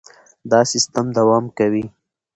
دا سیستم دوام کوي.